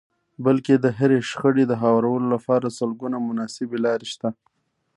بلکې د هرې شخړې د هوارولو لپاره سلګونه مناسبې لارې شته.